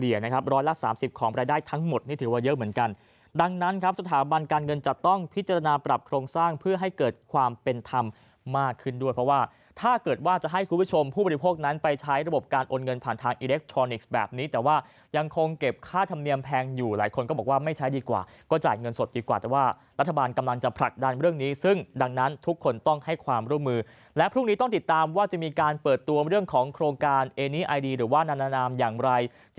เฉลี่ยนะครับร้อยละ๓๐ของรายได้ทั้งหมดนี่ถือว่าเยอะเหมือนกันดังนั้นครับสถาบันการเงินจะต้องพิจารณาปรับโครงสร้างเพื่อให้เกิดความเป็นธรรมมากขึ้นด้วยเพราะว่าถ้าเกิดว่าจะให้คุณผู้ชมผู้บริโภคนั้นไปใช้ระบบการอ่นเงินผ่านทางอิเล็กทรอนิกส์แบบนี้แต่ว่ายังคงเก็บค่าธรรมเนียมแพงอยู่ห